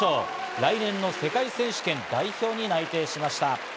来年の世界選手権代表に内定しました。